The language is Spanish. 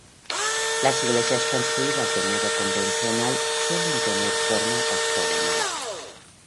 Las iglesias construidas de modo convencional suelen tener forma octogonal.